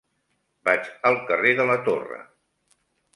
Vaig al carrer de la Torre.